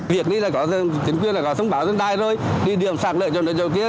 việc này là có chính quyền là có sống bão dân tài rồi đi điểm sạc lỡ chỗ này chỗ kia